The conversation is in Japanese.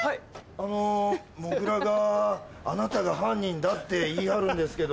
あのモグラがあなたが犯人だって言い張るんですけど。